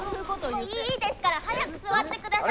もういいですから早く座ってください。